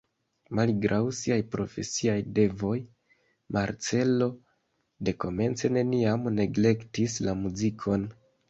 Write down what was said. Malgraŭ siaj profesiaj devoj Marcello dekomence neniam neglektis la muzikon.